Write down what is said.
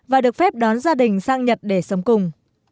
và được phép đón gia đình sang nhật để sống cùng